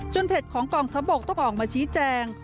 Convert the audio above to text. เพจของกองทัพบกต้องออกมาชี้แจง